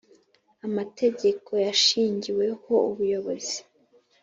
amategeko yashingiweho ubuyobozi